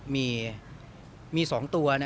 มี๒ตัว